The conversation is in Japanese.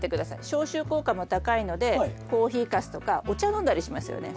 消臭効果も高いのでコーヒーかすとかお茶飲んだりしますよね。